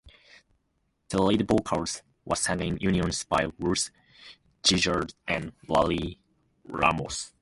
The lead vocals were sung in unison by Russ Giguere and Larry Ramos.